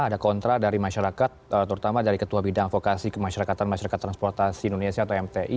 ada kontra dari masyarakat terutama dari ketua bidang avokasi kemasyarakatan masyarakat transportasi indonesia atau mti